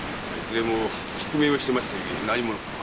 覆面をしてましたゆえ何者かは。